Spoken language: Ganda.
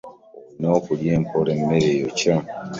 Olina kulya mpola emmere eyokya.